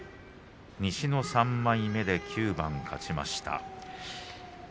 西の３枚目で９番勝ちました。